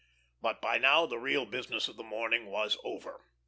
But by now the real business of the morning was over.